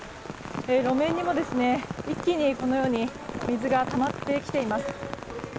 路面にも一気に水がたまってきています。